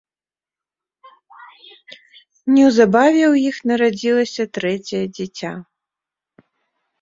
Неўзабаве ў іх нарадзілася трэцяе дзіця.